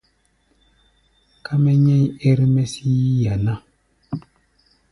Ká mɛ́ nyɛ̧́í̧ ér-mɛ́ sí yí-a ná.